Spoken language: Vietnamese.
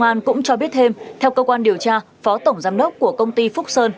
an cũng cho biết thêm theo cơ quan điều tra phó tổng giám đốc của công ty phúc sơn